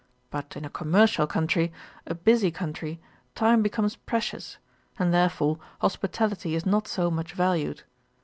But in a commercial country, a busy country, time becomes precious, and therefore hospitality is not so much valued.